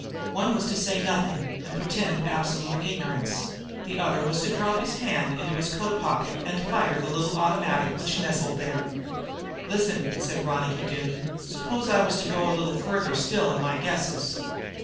One was to say nothing and pretend absolute ignorance; the other was to drop his hand into his coat pocket and fire the little automatic which nestled there. "Listen," said Ronicky Doone, "suppose I was to go a little farther still in my guesses!